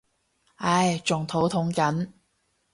唉仲肚痛緊